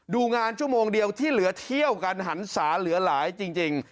ดูงานชั่วโมงเดียวที่เหลือเที่ยวกันหันศาเหลือหลายจริง